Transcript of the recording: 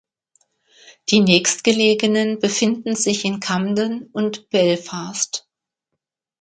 Die nächstgelegenen befinden sich in Camden und Belfast.